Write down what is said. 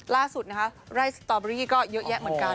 ล่าสุดนะคะไร่สตอเบอรี่ก็เยอะแยะเหมือนกัน